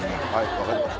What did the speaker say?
分かりました。